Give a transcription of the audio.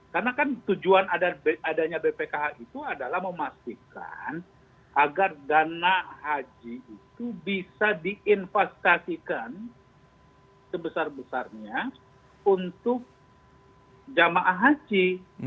karena kan tujuan adanya bpkh itu adalah memastikan agar dana haji itu bisa diinvestasikan sebesar besarnya untuk jamah haji